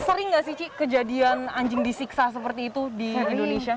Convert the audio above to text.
sering nggak sih cik kejadian anjing disiksa seperti itu di indonesia